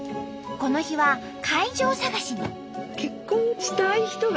この日は会場探しに。